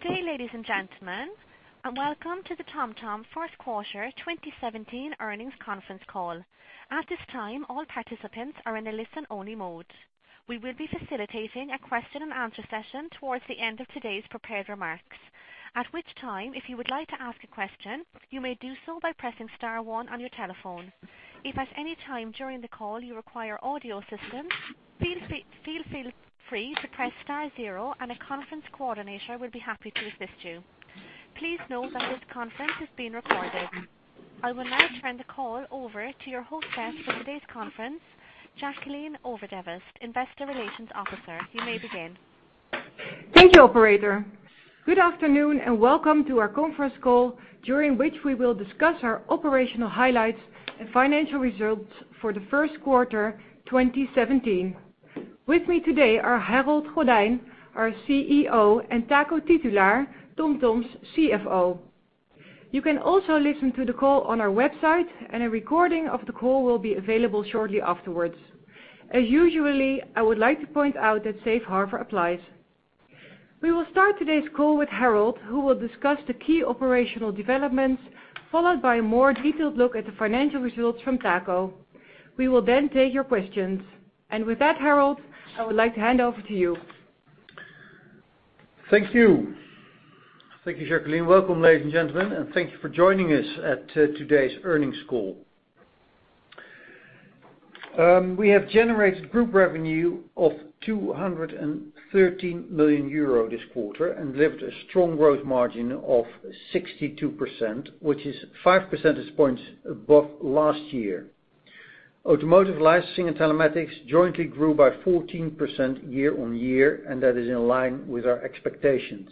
Good day, ladies and gentlemen, welcome to the TomTom first quarter 2017 earnings conference call. At this time, all participants are in a listen-only mode. We will be facilitating a question and answer session towards the end of today's prepared remarks. At which time, if you would like to ask a question, you may do so by pressing star one on your telephone. If at any time during the call you require audio assistance, feel free to press star zero and a conference coordinator will be happy to assist you. Please know that this conference is being recorded. I will now turn the call over to your hostess for today's conference, Jacoline Overdevest, Investor Relations Officer. You may begin. Thank you, operator. Good afternoon, welcome to our conference call, during which we will discuss our operational highlights and financial results for the first quarter 2017. With me today are Harold Goddijn, our CEO, and Taco Titulaer, TomTom's CFO. You can also listen to the call on our website, a recording of the call will be available shortly afterwards. As usual, I would like to point out that Safe Harbor applies. We will start today's call with Harold, who will discuss the key operational developments, followed by a more detailed look at the financial results from Taco. We will take your questions. With that, Harold, I would like to hand over to you. Thank you. Thank you, Jacoline. Welcome, ladies and gentlemen, thank you for joining us at today's earnings call. We have generated group revenue of 213 million euro this quarter, delivered a strong growth margin of 62%, which is 5 percentage points above last year. Automotive licensing and telematics jointly grew by 14% year-on-year, that is in line with our expectations.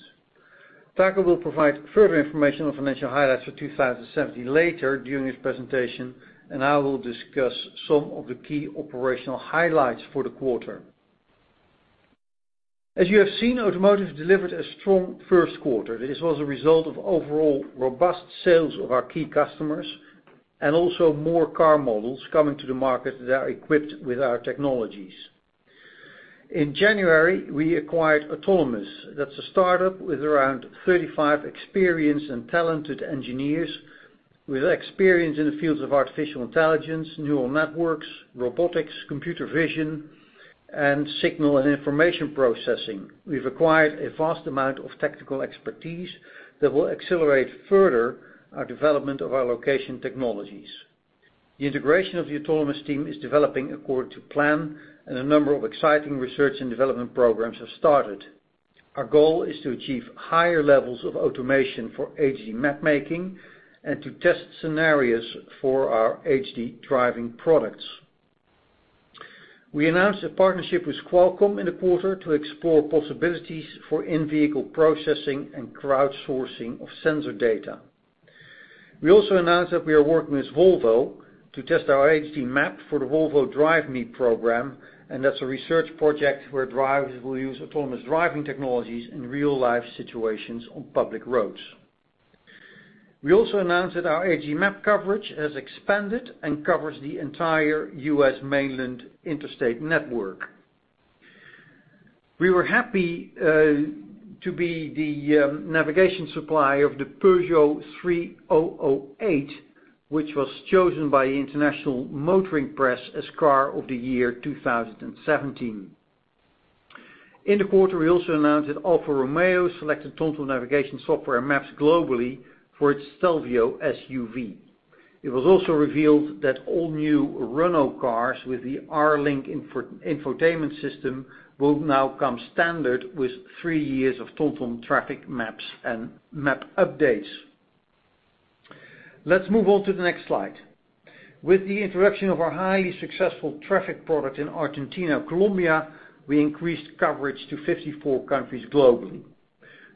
Taco will provide further information on financial highlights for 2017 later during his presentation, I will discuss some of the key operational highlights for the quarter. As you have seen, Automotive delivered a strong first quarter. This was a result of overall robust sales of our key customers and also more car models coming to the market that are equipped with our technologies. In January, we acquired Autonomos. That's a startup with around 35 experienced and talented engineers with experience in the fields of artificial intelligence, neural networks, robotics, computer vision, and signal and information processing. We've acquired a vast amount of technical expertise that will accelerate further our development of our location technologies. The integration of the Autonomos team is developing according to plan, a number of exciting research and development programs have started. Our goal is to achieve higher levels of automation for HD Map-making and to test scenarios for our HD driving products. We announced a partnership with Qualcomm in the quarter to explore possibilities for in-vehicle processing and crowdsourcing of sensor data. We also announced that we are working with Volvo to test our HD Map for the Volvo Drive Me program, that's a research project where drivers will use autonomous driving technologies in real-life situations on public roads. We also announced that our HD Map coverage has expanded and covers the entire U.S. mainland interstate network. We were happy to be the navigation supplier of the Peugeot 3008, which was chosen by the International Motoring Press as Car of the Year 2017. In the quarter, we also announced that Alfa Romeo selected TomTom navigation software and maps globally for its Stelvio SUV. It was also revealed that all new Renault cars with the R-Link infotainment system will now come standard with three years of TomTom traffic maps and map updates. Let's move on to the next slide. With the introduction of our highly successful traffic product in Argentina, Colombia, we increased coverage to 54 countries globally.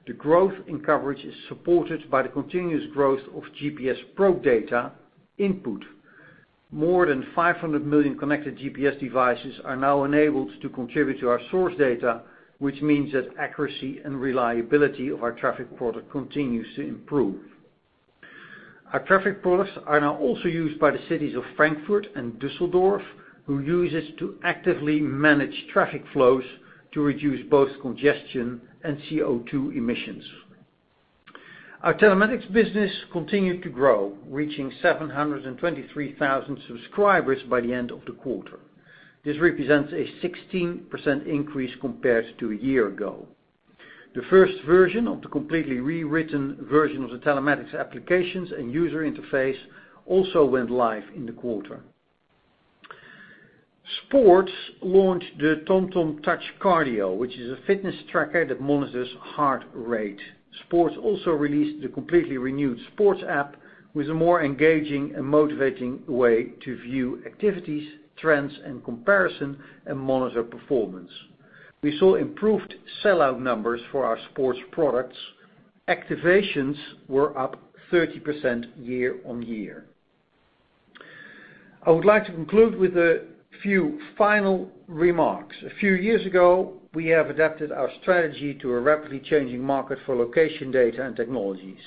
The growth in coverage is supported by the continuous growth of GPS probe data input. More than 500 million connected GPS devices are now enabled to contribute to our source data, which means that accuracy and reliability of our traffic product continues to improve. Our traffic products are now also used by the cities of Frankfurt and Düsseldorf, who use it to actively manage traffic flows to reduce both congestion and CO2 emissions. Our telematics business continued to grow, reaching 723,000 subscribers by the end of the quarter. This represents a 16% increase compared to a year ago. The first version of the completely rewritten version of the telematics applications and user interface also went live in the quarter. Sports launched the TomTom Touch Cardio, which is a fitness tracker that monitors heart rate. Sports also released the completely renewed Sports app with a more engaging and motivating way to view activities, trends, and comparison and monitor performance. We saw improved sell-out numbers for our sports products. Activations were up 30% year-over-year. I would like to conclude with a few final remarks. A few years ago, we have adapted our strategy to a rapidly changing market for location data and technologies.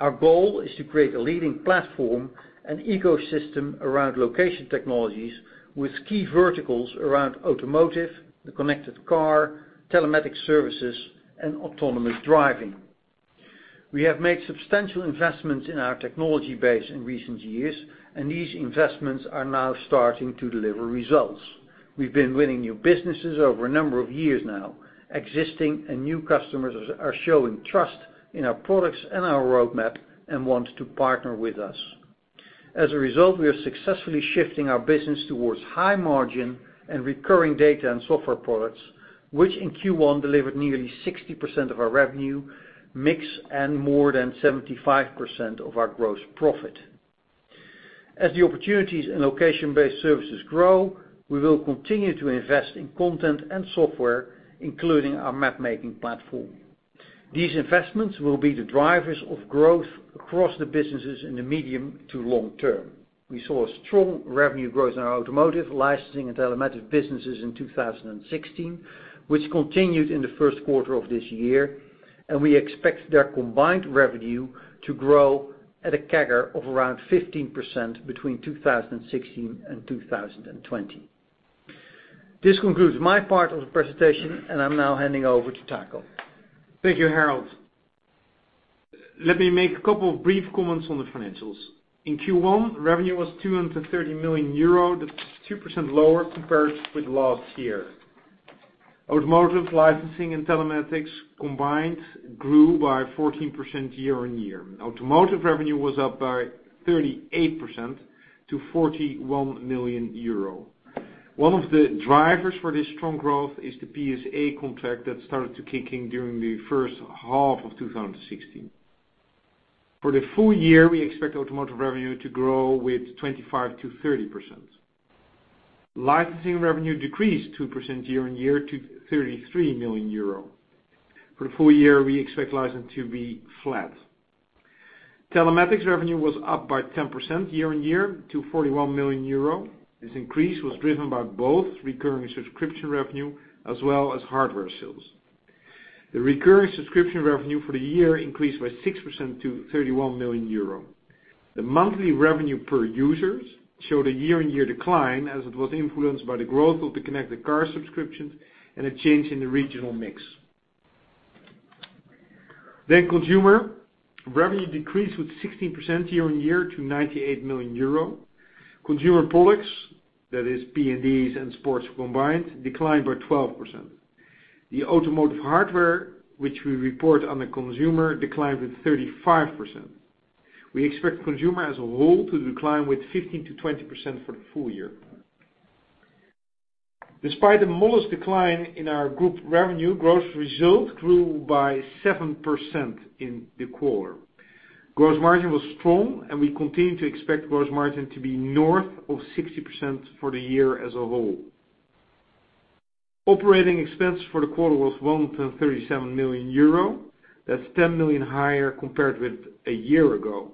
Our goal is to create a leading platform and ecosystem around location technologies with key verticals around automotive, the connected car, telematics services, and autonomous driving. We have made substantial investments in our technology base in recent years, and these investments are now starting to deliver results. We've been winning new businesses over a number of years now. Existing and new customers are showing trust in our products and our roadmap and want to partner with us. As a result, we are successfully shifting our business towards high margin and recurring data and software products, which in Q1 delivered nearly 60% of our revenue mix and more than 75% of our gross profit. As the opportunities in location-based services grow, we will continue to invest in content and software, including our map-making platform. These investments will be the drivers of growth across the businesses in the medium to long term. We saw a strong revenue growth in our automotive licensing and telematics businesses in 2016, which continued in the first quarter of this year, and we expect their combined revenue to grow at a CAGR of around 15% between 2016 and 2020. This concludes my part of the presentation, and I'm now handing over to Taco. Thank you, Harold. Let me make a couple of brief comments on the financials. In Q1, revenue was 213 million euro. That is 2% lower compared with last year. Automotive licensing and telematics combined grew by 14% year-on-year. Automotive revenue was up by 38% to 41 million euro. One of the drivers for this strong growth is the PSA contract that started to kick in during the first half of 2016. For the full year, we expect automotive revenue to grow with 25%-30%. Licensing revenue decreased 2% year-on-year to 33 million euro. For the full year, we expect licensing to be flat. Telematics revenue was up by 10% year-on-year to 41 million euro. This increase was driven by both recurring subscription revenue as well as hardware sales. The recurring subscription revenue for the year increased by 6% to 31 million euro. The monthly revenue per users showed a year-on-year decline, as it was influenced by the growth of the connected car subscriptions and a change in the regional mix. Consumer revenue decreased with 16% year-on-year to 98 million euro. Consumer products, that is PNDs and sports combined, declined by 12%. The automotive hardware, which we report under consumer, declined with 35%. We expect consumer as a whole to decline with 15%-20% for the full year. Despite the modest decline in our group revenue, gross result grew by 7% in the quarter. Gross margin was strong, and we continue to expect gross margin to be north of 60% for the year as a whole. Operating expense for the quarter was 137 million euro. That is 10 million higher compared with a year ago.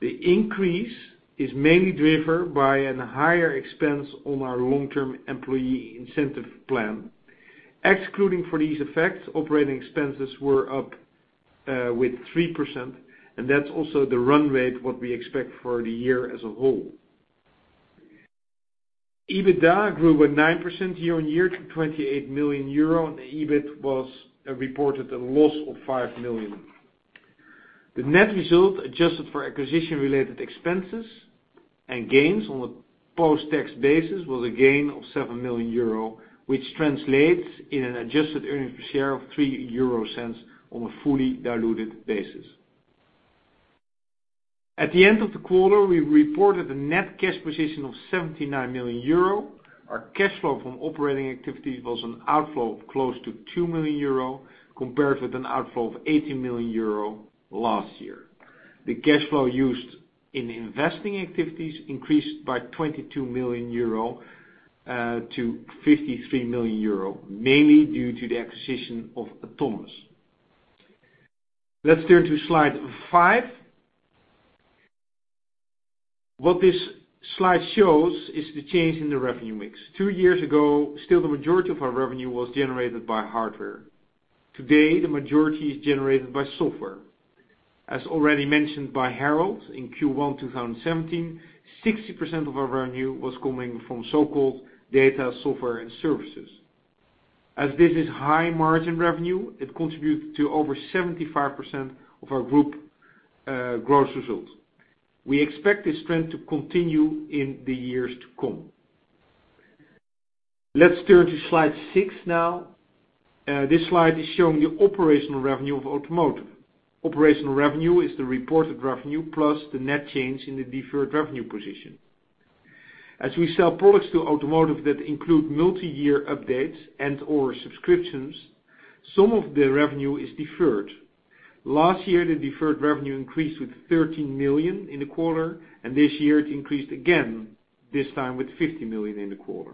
The increase is mainly driven by a higher expense on our long-term employee incentive plan. Excluding for these effects, operating expenses were up with 3%, and that is also the run rate, what we expect for the year as a whole. EBITDA grew by 9% year-on-year to 28 million euro, and the EBIT reported a loss of 5 million. The net result, adjusted for acquisition-related expenses and gains on a post-tax basis, was a gain of 7 million euro, which translates in an adjusted earning per share of 0.03 on a fully diluted basis. At the end of the quarter, we reported a net cash position of 79 million euro. Our cash flow from operating activities was an outflow of close to 2 million euro, compared with an outflow of 18 million euro last year. The cash flow used in investing activities increased by 22 million euro to 53 million euro, mainly due to the acquisition of Autonomos. Let us turn to slide five. What this slide shows is the change in the revenue mix. Two years ago, still the majority of our revenue was generated by hardware. Today, the majority is generated by software. As already mentioned by Harold, in Q1 2017, 60% of our revenue was coming from so-called data software and services. As this is high margin revenue, it contributed to over 75% of our group gross results. We expect this trend to continue in the years to come. Let us turn to slide six now. This slide is showing the operational revenue of automotive. Operational revenue is the reported revenue plus the net change in the deferred revenue position. As we sell products to automotive that include multi-year updates and/or subscriptions, some of the revenue is deferred. Last year, the deferred revenue increased with 13 million in the quarter, and this year it increased again, this time with 50 million in the quarter.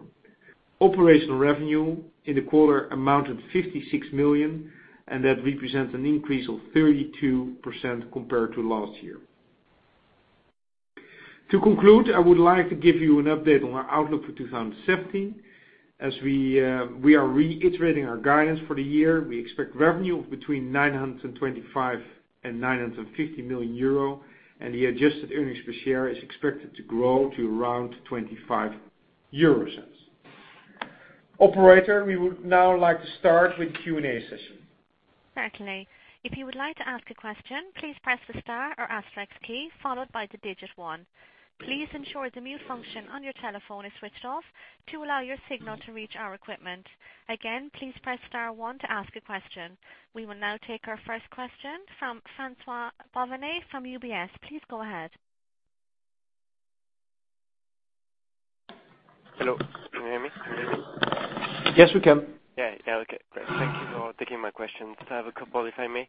Operational revenue in the quarter amounted 56 million, and that represents an increase of 32% compared to last year. To conclude, I would like to give you an update on our outlook for 2017. As we are reiterating our guidance for the year, we expect revenue of between 925 million and 950 million euro, and the adjusted earnings per share is expected to grow to around 0.25. Operator, we would now like to start with the Q&A session. Certainly. If you would like to ask a question, please press the star or asterisk key, followed by the digit 1. Please ensure the mute function on your telephone is switched off to allow your signal to reach our equipment. Again, please press star 1 to ask a question. We will now take our first question from Francois-Xavier Bouvignies from UBS. Please go ahead. Hello. Can you hear me? Yes, we can. Okay, great. Thank you for taking my question. I have a couple, if I may.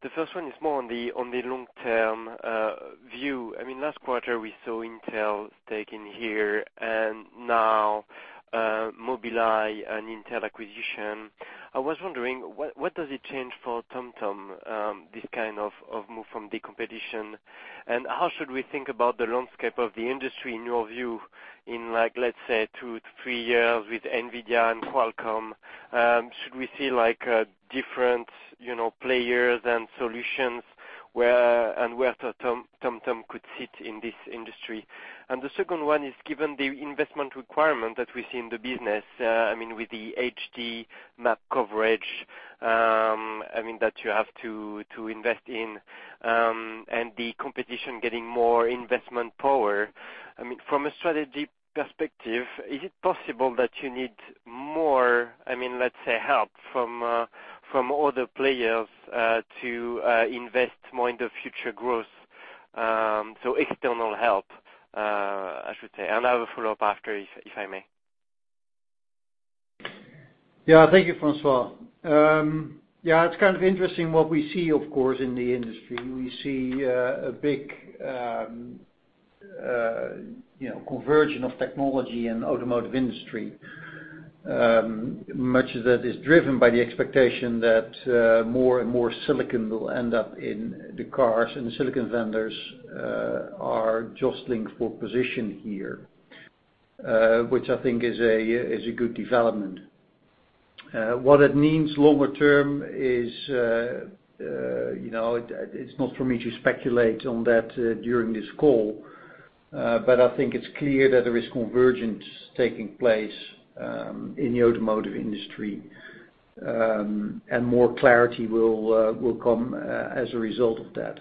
The first one is more on the long-term view. Last quarter, we saw Intel stake in HERE, and now Mobileye, an Intel acquisition. I was wondering, what does it change for TomTom, this kind of move from the competition? How should we think about the landscape of the industry in your view in, let's say, two to three years with NVIDIA and Qualcomm? Should we see different players and solutions, and where TomTom could sit in this industry? The second one is, given the investment requirement that we see in the business, with the HD Map coverage that you have to invest in and the competition getting more investment power, from a strategy perspective, is it possible that you need more, let's say, help from other players to invest more in the future growth? External help, I should say. I have a follow-up after, if I may. Thank you, Francois. It's kind of interesting what we see, of course, in the industry. We see a big convergence of technology in the automotive industry. Much of that is driven by the expectation that more and more silicon will end up in the cars, and the silicon vendors are jostling for position here, which I think is a good development. What it means longer term, it's not for me to speculate on that during this call. I think it's clear that there is convergence taking place in the automotive industry, and more clarity will come as a result of that.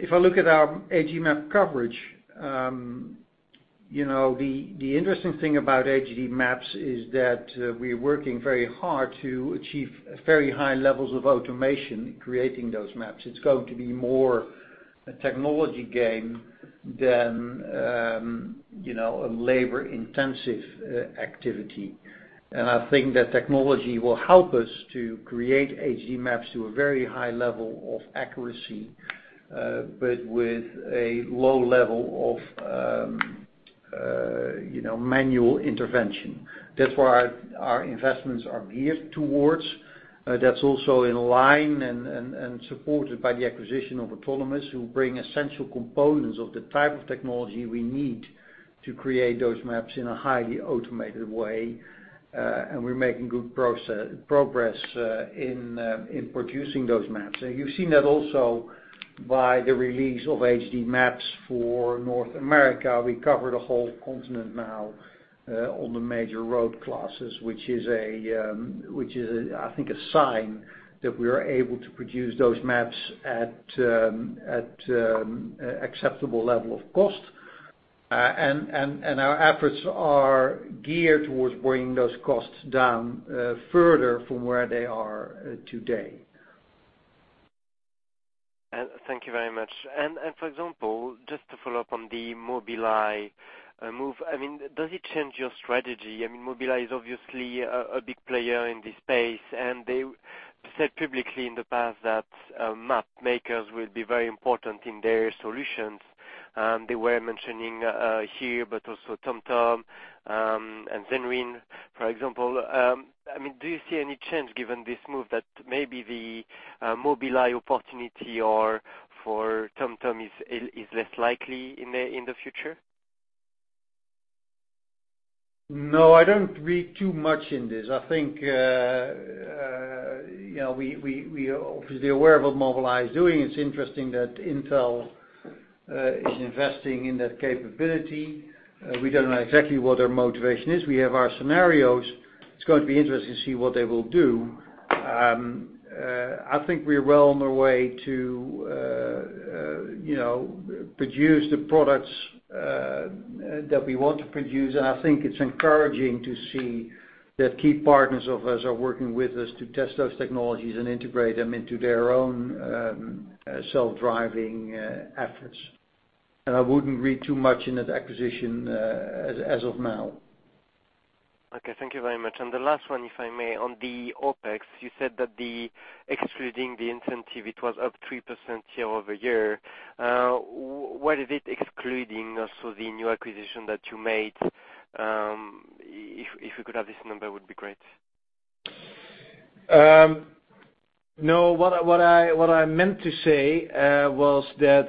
If I look at our HD Map coverage, the interesting thing about HD Maps is that we're working very hard to achieve very high levels of automation in creating those maps. It's going to be more a technology game than a labor-intensive activity. I think that technology will help us to create HD maps to a very high level of accuracy, but with a low level of manual intervention. That's where our investments are geared towards. That's also in line and supported by the acquisition of Autonomos, who bring essential components of the type of technology we need to create those maps in a highly automated way. We're making good progress in producing those maps. You've seen that also by the release of HD maps for North America. We cover the whole continent now on the major road classes, which is, I think, a sign that we are able to produce those maps at acceptable level of cost. Our efforts are geared towards bringing those costs down further from where they are today. Thank you very much. For example, just to follow up on the Mobileye move, does it change your strategy? Mobileye is obviously a big player in this space, and they said publicly in the past that map makers will be very important in their solutions. They were mentioning HERE, but also TomTom, and Zenrin, for example. Do you see any change given this move that maybe the Mobileye opportunity for TomTom is less likely in the future? No, I don't read too much in this. I think we are obviously aware of what Mobileye is doing. It's interesting that Intel is investing in that capability. We don't know exactly what their motivation is. We have our scenarios. It's going to be interesting to see what they will do. I think we are well on our way to produce the products that we want to produce, and I think it's encouraging to see that key partners of ours are working with us to test those technologies and integrate them into their own self-driving efforts. I wouldn't read too much into that acquisition as of now. Okay. Thank you very much. The last one, if I may, on the OpEx, you said that excluding the incentive, it was up 3% year-over-year. What is it excluding also the new acquisition that you made? If we could have this number, would be great. What I meant to say was that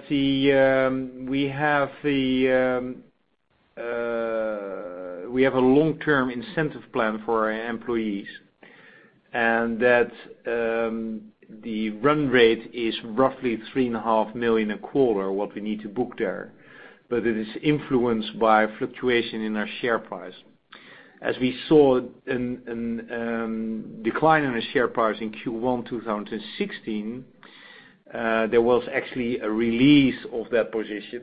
we have a long-term incentive plan for our employees, and that the run rate is roughly three and a half million a quarter, what we need to book there. It is influenced by fluctuation in our share price. As we saw in decline in our share price in Q1 2016, there was actually a release of that position,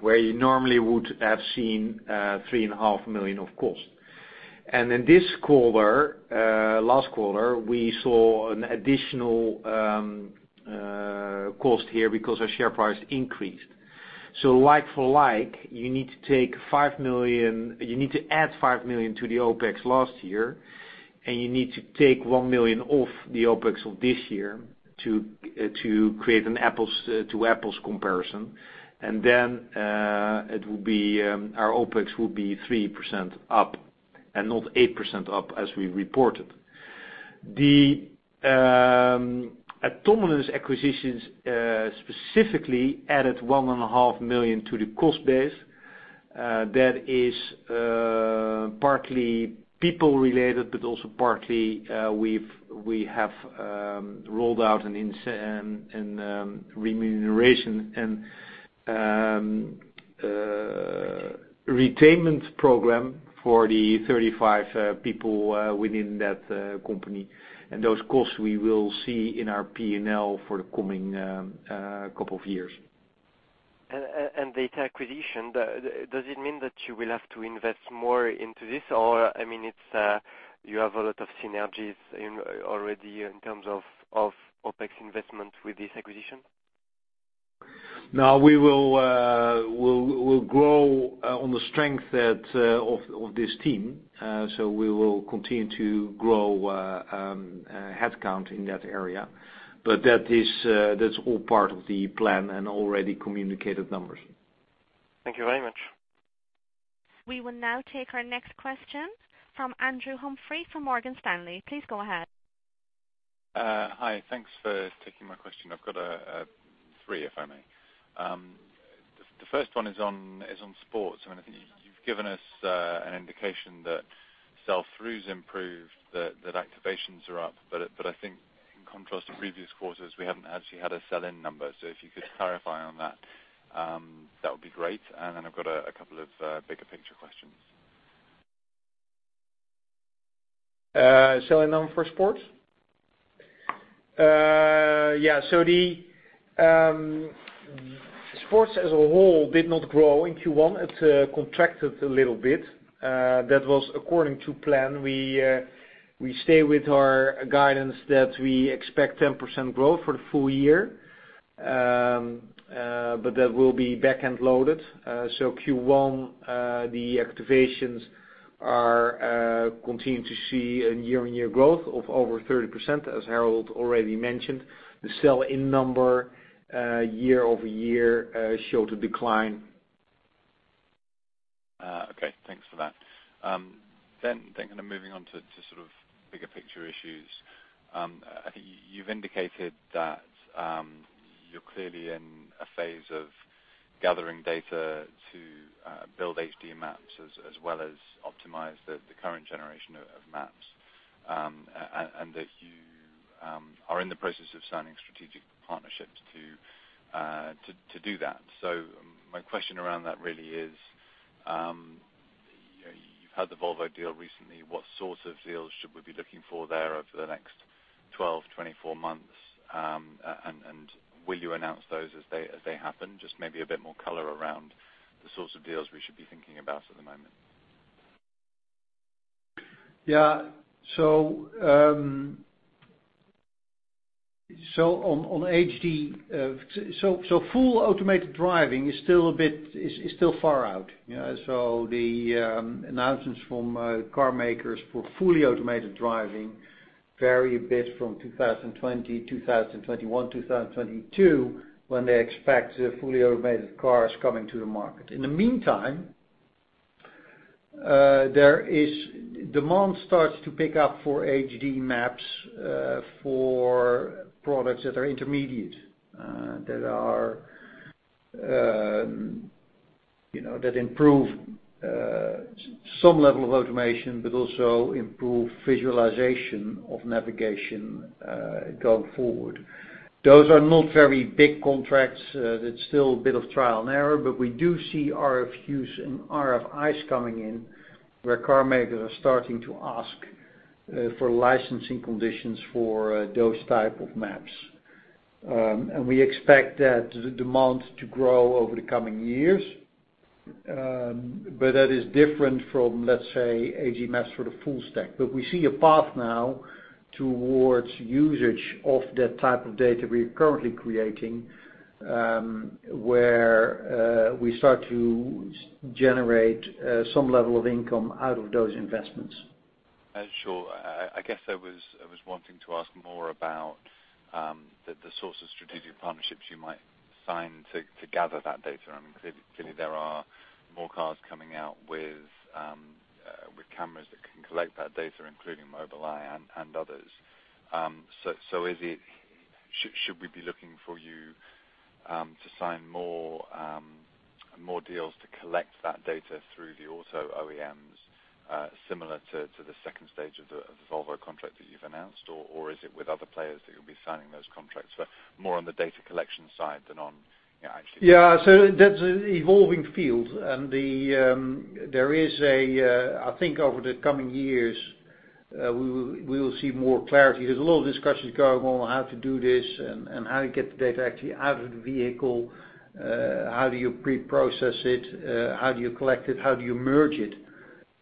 where you normally would have seen three and a half million of cost. In this quarter, last quarter, we saw an additional cost here because our share price increased. Like for like, you need to add 5 million to the OpEx last year, and you need to take 1 million off the OpEx of this year to create an apples to apples comparison. Our OpEx will be 3% up and not 8% up as we reported. The Autonomos acquisitions specifically added one and a half million to the cost base. That is partly people related, but also partly we have rolled out a remuneration and retainment program for the 35 people within that company. Those costs we will see in our P&L for the coming couple of years. The tech acquisition, does it mean that you will have to invest more into this? You have a lot of synergies already in terms of OpEx investment with this acquisition? We'll grow on the strength of this team. That's all part of the plan and already communicated numbers. Thank you very much. We will now take our next question from Andrew Humphrey from Morgan Stanley. Please go ahead. Hi. Thanks for taking my question. I've got three, if I may. The first one is on sports. I think you've given us an indication that sell-throughs improved, that activations are up. I think in contrast to previous quarters, we haven't actually had a sell-in number. If you could clarify on that would be great. Then I've got a couple of bigger picture questions. Sell-in number for sports? Yeah. Sports as a whole did not grow in Q1. It contracted a little bit. That was according to plan. We stay with our guidance that we expect 10% growth for the full year. That will be back-end loaded. Q1, the activations are continuing to see a year-on-year growth of over 30%, as Harold already mentioned. The sell-in number year-over-year showed a decline. Okay, thanks for that. Thinking of moving on to sort of bigger picture issues. I think you've indicated that you're clearly in a phase of gathering data to build HD maps as well as optimize the current generation of maps, and that you are in the process of signing strategic partnerships to do that. My question around that really is, you've had the Volvo deal recently, what sort of deals should we be looking for there over the next 12, 24 months? Will you announce those as they happen? Just maybe a bit more color around the sorts of deals we should be thinking about at the moment. Yeah. On HD, full automated driving is still far out. The announcements from car makers for fully automated driving vary a bit from 2020, 2021, 2022, when they expect fully automated cars coming to the market. In the meantime, demand starts to pick up for HD maps, for products that are intermediate, that improve some level of automation, but also improve visualization of navigation going forward. Those are not very big contracts. That's still a bit of trial and error, but we do see RFQs and RFIs coming in, where car makers are starting to ask for licensing conditions for those type of maps. We expect that demand to grow over the coming years. That is different from, let's say, HD maps for the full stack. We see a path now towards usage of that type of data we are currently creating, where we start to generate some level of income out of those investments. Sure. I guess I was wanting to ask more about the source of strategic partnerships you might sign to gather that data. Clearly there are more cars coming out with cameras that can collect that data, including Mobileye and others. Should we be looking for you to sign more deals to collect that data through the auto OEMs, similar to the stage 2 of the Volvo contract that you've announced? Is it with other players that you'll be signing those contracts, but more on the data collection side than on actually- Yeah. That's an evolving field, I think over the coming years, we will see more clarity. There's a lot of discussions going on how to do this and how to get the data actually out of the vehicle. How do you pre-process it? How do you collect it? How do you merge it?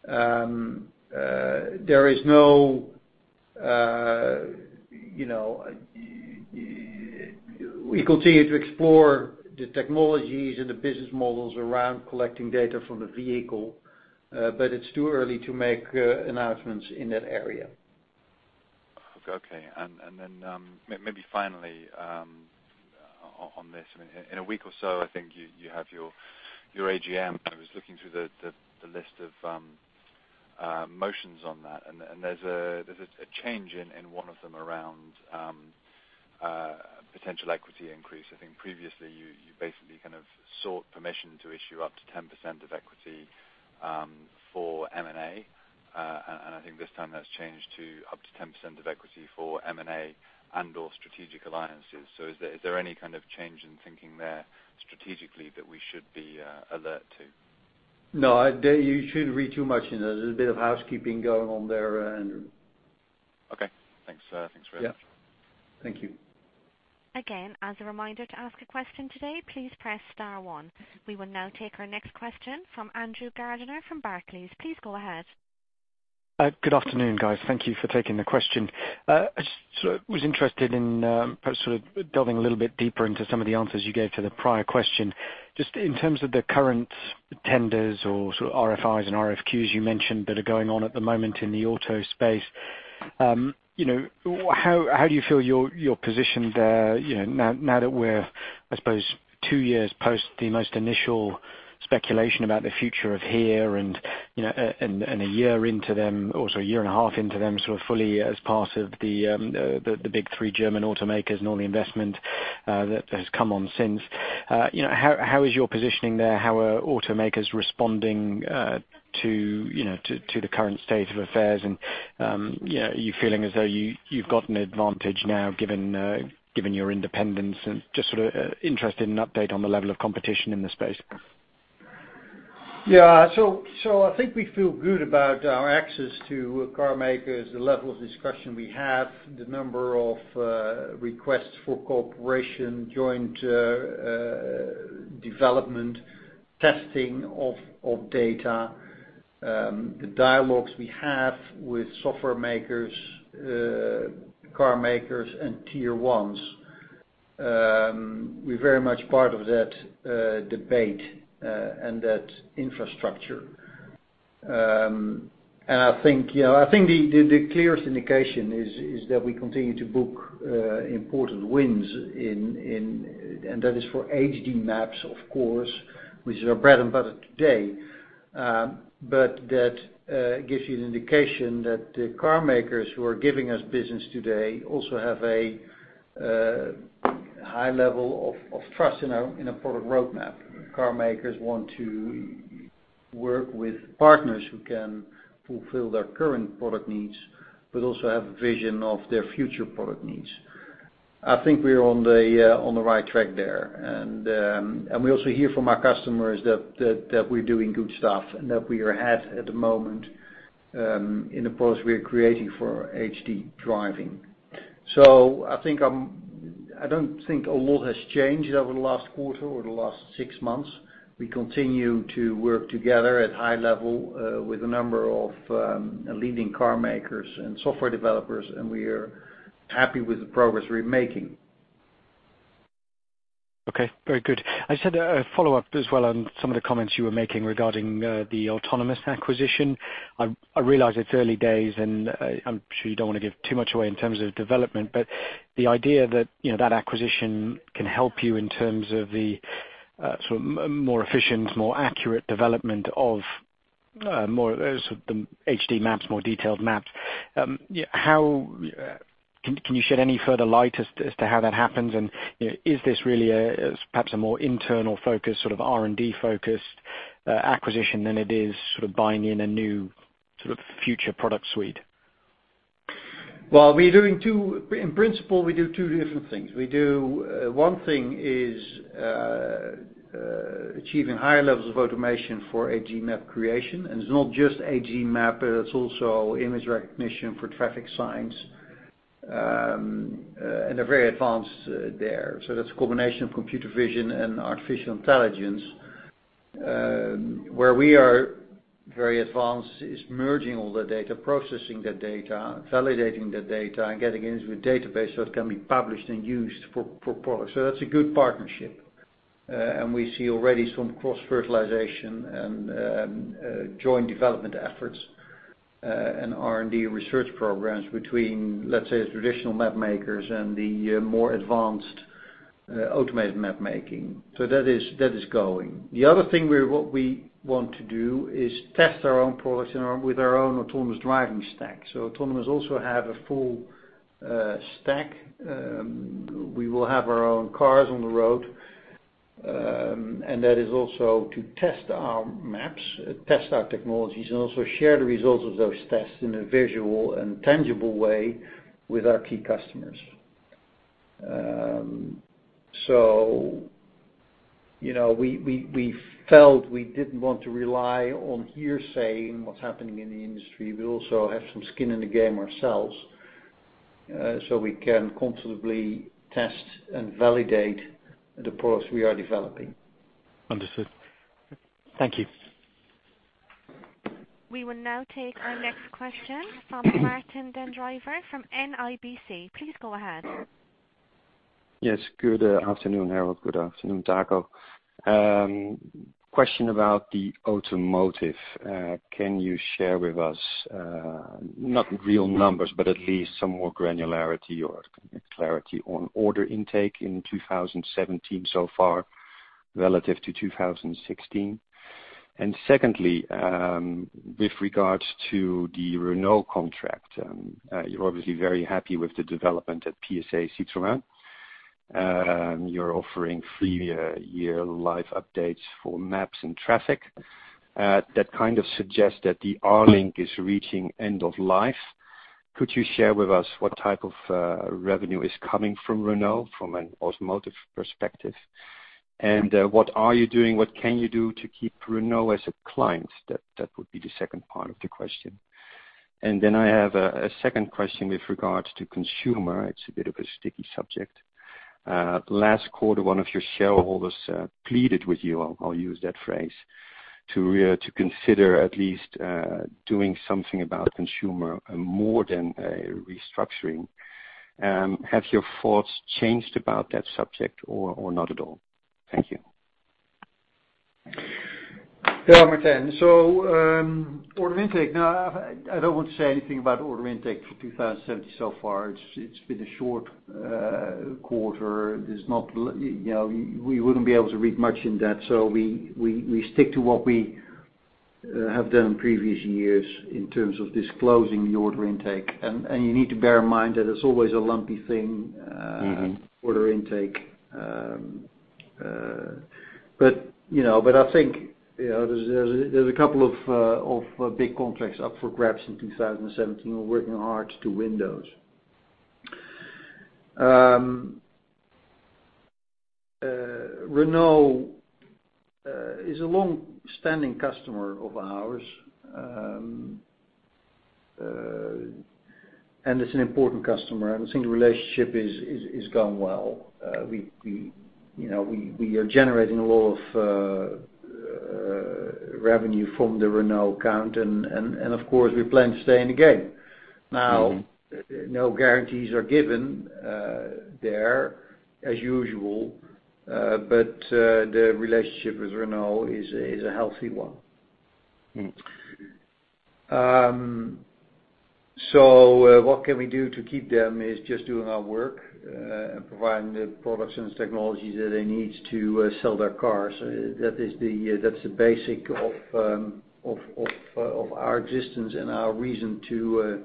We continue to explore the technologies and the business models around collecting data from the vehicle, but it's too early to make announcements in that area. Okay. Maybe finally on this. In a week or so, I think you have your AGM. I was looking through the list of motions on that, there's a change in one of them around potential equity increase. I think previously you basically kind of sought permission to issue up to 10% of equity for M&A. I think this time that's changed to up to 10% of equity for M&A and/or strategic alliances. Is there any kind of change in thinking there strategically that we should be alert to? No, you shouldn't read too much into it. There's a bit of housekeeping going on there. Okay, thanks. Thanks for that. Yeah. Thank you. Again, as a reminder to ask a question today, please press star one. We will now take our next question from Andrew Gardiner from Barclays. Please go ahead. Good afternoon, guys. Thank you for taking the question. I just was interested in perhaps sort of delving a little bit deeper into some of the answers you gave to the prior question. Just in terms of the current tenders or sort of RFIs and RFQs you mentioned that are going on at the moment in the auto space. How do you feel you're positioned there now that we're, I suppose, two years post the most initial speculation about the future of HERE and a year into them, or sorry, a year and a half into them sort of fully as part of the big three German automakers and all the investment that has come on since. How is your positioning there? How are automakers responding to the current state of affairs? Are you feeling as though you've got an advantage now given your independence? Just sort of interested in an update on the level of competition in the space. Yeah. I think we feel good about our access to car makers, the level of discussion we have, the number of requests for cooperation, joint development, testing of data. The dialogues we have with software makers, car makers, and tier 1s. We're very much part of that debate and that infrastructure. I think the clearest indication is that we continue to book important wins and that is for HD Maps, of course, which is our bread and butter today. That gives you an indication that the car makers who are giving us business today also have a high level of trust in our product roadmap. Car makers want to work with partners who can fulfill their current product needs, but also have a vision of their future product needs. I think we are on the right track there. We also hear from our customers that we're doing good stuff and that we are ahead at the moment in the pulse we are creating for HD driving. I don't think a lot has changed over the last quarter or the last six months. We continue to work together at high level with a number of leading car makers and software developers, and we are happy with the progress we're making. Okay. Very good. I just had a follow-up as well on some of the comments you were making regarding the Autonomos acquisition. I realize it's early days, and I'm sure you don't want to give too much away in terms of development, but the idea that acquisition can help you in terms of the sort of more efficient, more accurate development of more of the HD Maps, more detailed maps. Can you shed any further light as to how that happens? Is this really perhaps a more internal focus, sort of R&D-focused acquisition than it is sort of buying in a new sort of future product suite? Well, in principle, we do two different things. We do one thing is achieving higher levels of automation for HD Map creation. It's not just HD Map, it's also image recognition for traffic signs. They're very advanced there. That's a combination of computer vision and artificial intelligence. Where we are very advanced is merging all the data, processing that data, validating that data, and getting it into a database so it can be published and used for products. That's a good partnership. We see already some cross-fertilization and joint development efforts, and R&D research programs between, let's say, traditional map makers and the more advanced Automated map making. That is going. The other thing what we want to do is test our own products with our own autonomous driving stack. Autonomos also have a full stack. We will have our own cars on the road, that is also to test our maps, test our technologies, and also share the results of those tests in a visual and tangible way with our key customers. We felt we didn't want to rely on hearsay and what's happening in the industry. We also have some skin in the game ourselves, so we can comfortably test and validate the products we are developing. Understood. Thank you. We will now take our next question from Martijn den Drijver from NIBC. Please go ahead. Yes. Good afternoon, Harold. Good afternoon, Taco. Question about the automotive. Can you share with us, not real numbers, but at least some more granularity or clarity on order intake in 2017 so far relative to 2016? Secondly, with regards to the Renault contract, you're obviously very happy with the development at PSA Citroën. You're offering three-year life updates for maps and traffic. That kind of suggests that the R-Link is reaching end of life. Could you share with us what type of revenue is coming from Renault from an automotive perspective? What are you doing, what can you do to keep Renault as a client? That would be the second part of the question. Then I have a second question with regards to Consumer. It's a bit of a sticky subject. Last quarter, one of your shareholders pleaded with you, I'll use that phrase, to consider at least doing something about consumer more than a restructuring. Have your thoughts changed about that subject or not at all? Thank you. Yeah, Martijn. Order intake. No, I don't want to say anything about order intake for 2017 so far. It's been a short quarter. We wouldn't be able to read much in that. We stick to what we have done in previous years in terms of disclosing the order intake. You need to bear in mind that it's always a lumpy thing- order intake. I think, there's a couple of big contracts up for grabs in 2017. We're working hard to win those. Renault is a long-standing customer of ours, and it's an important customer, and I think the relationship is going well. We are generating a lot of revenue from the Renault account, and of course, we plan to stay in the game. Now, no guarantees are given there, as usual. The relationship with Renault is a healthy one. What can we do to keep them is just doing our work, and providing the products and technologies that they need to sell their cars. That's the basic of our existence and our reason to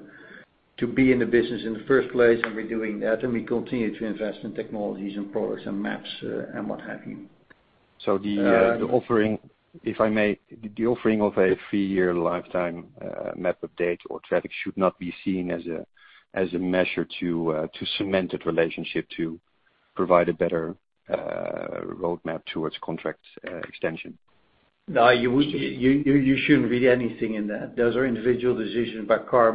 be in the business in the first place, and we're doing that, and we continue to invest in technologies and products and maps, and what have you. The offering, if I may, the offering of a 3-year lifetime map update or traffic should not be seen as a measure to cement that relationship to provide a better roadmap towards contract extension? No, you shouldn't read anything in that. Those are individual decisions by car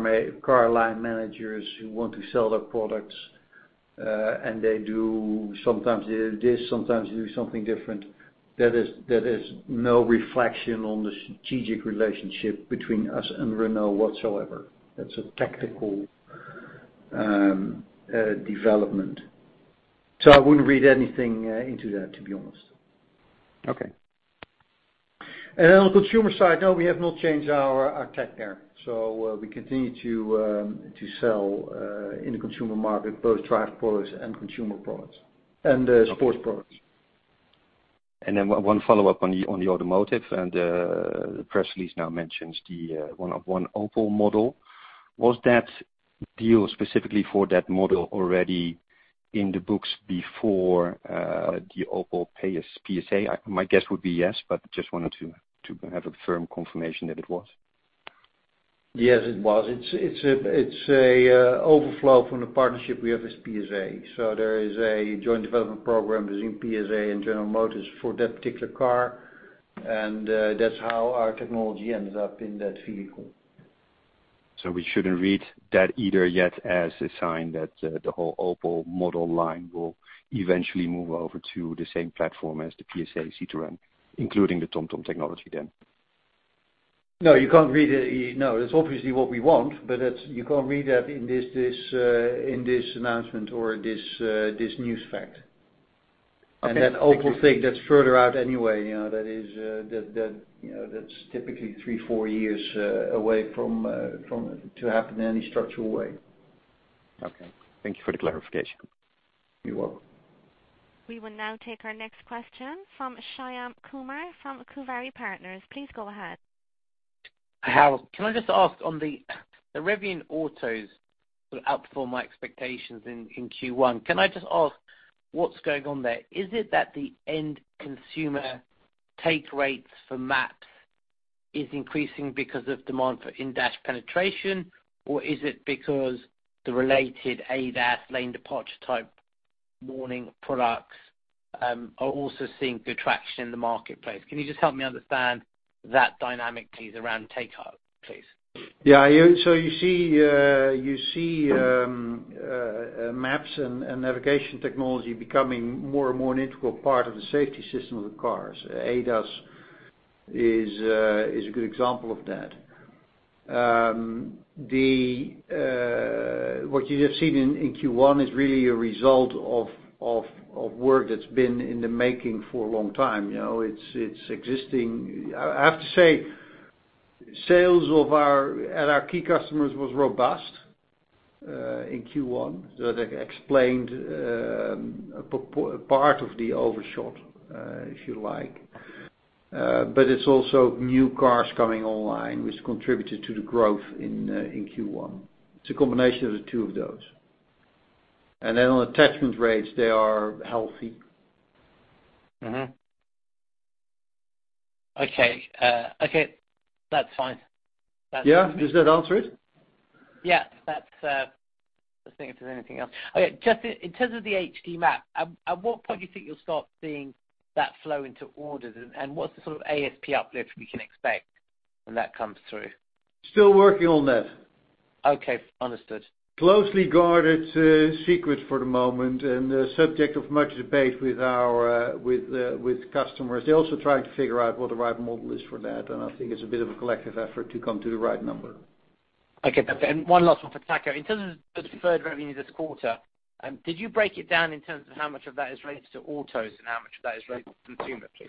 line managers who want to sell their products. They do, sometimes they do this, sometimes they do something different. That is no reflection on the strategic relationship between us and Renault whatsoever. That's a tactical development. I wouldn't read anything into that, to be honest. Okay. On the consumer side, no, we have not changed our tech there. We continue to sell in the consumer market, both track products and consumer products and sports products. One follow-up on the automotive, and the press release now mentions the, one of the Opel model. Was that deal specifically for that model already in the books before the Opel PSA? My guess would be yes, but just wanted to have a firm confirmation that it was. Yes, it was. It's an overflow from the partnership we have with PSA. There is a joint development program between PSA and General Motors for that particular car, and that's how our technology ended up in that vehicle. We shouldn't read that either yet as a sign that the whole Opel model line will eventually move over to the same platform as the PSA Citroën, including the TomTom technology then? No, it's obviously what we want, but you can't read that in this announcement or this news fact. That Opel thing that's further out anyway, that's typically three, four years away to happen in any structural way. Okay. Thank you for the clarification. You're welcome. We will now take our next question from Shyam Kumar from Kuvari Partners. Please go ahead. Harold, can I just ask on the revenue in autos outperformed my expectations in Q1. Can I just ask what's going on there? Is it that the end consumer take rates for maps is increasing because of demand for in-dash penetration, or is it because the related ADAS lane departure type warning products are also seeing good traction in the marketplace? Can you just help me understand that dynamic, please, around take up, please? Yeah. You see maps and navigation technology becoming more and more an integral part of the safety system of the cars. ADAS is a good example of that. What you have seen in Q1 is really a result of work that's been in the making for a long time. I have to say, sales at our key customers was robust, in Q1. That explained part of the overshot, if you like. It's also new cars coming online, which contributed to the growth in Q1. It's a combination of the two of those. On attachment rates, they are healthy. Mm-hmm. Okay. That's fine. Yeah. Does that answer it? Yeah. I was thinking if there's anything else. Okay, just in terms of the HD Map, at what point do you think you'll start seeing that flow into orders and what's the sort of ASP uplift we can expect when that comes through? Still working on that. Okay. Understood. Closely guarded secret for the moment and a subject of much debate with customers. They're also trying to figure out what the right model is for that, and I think it's a bit of a collective effort to come to the right number. Okay, perfect. One last one for Taco. In terms of the deferred revenue this quarter, did you break it down in terms of how much of that is related to autos and how much of that is related to consumer, please?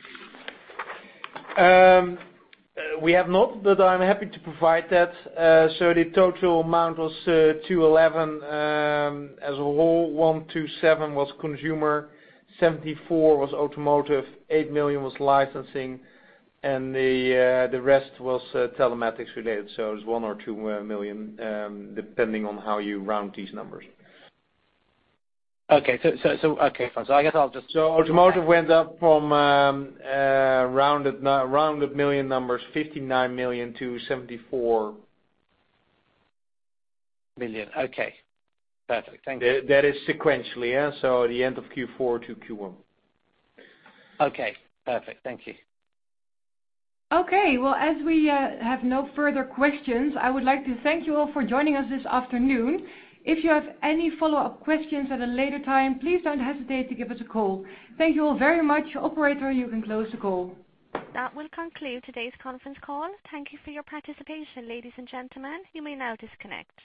We have not, but I am happy to provide that. The total amount was 211, as a whole, 127 was consumer, 74 was automotive, 8 million was licensing, and the rest was telematics related. It was 1 million or 2 million, depending on how you round these numbers. Okay, fine. Automotive went up from, rounded million numbers, 59 million-74 million. Million. Okay. Perfect. Thank you. That is sequentially, yeah. The end of Q4 to Q1. Okay, perfect. Thank you. Okay, well, as we have no further questions, I would like to thank you all for joining us this afternoon. If you have any follow-up questions at a later time, please don't hesitate to give us a call. Thank you all very much. Operator, you can close the call. That will conclude today's conference call. Thank you for your participation, ladies and gentlemen. You may now disconnect.